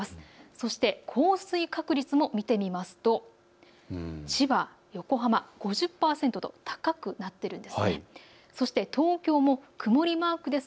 そして降水確率も見てみますと千葉、横浜、５０％と高くなっているんです。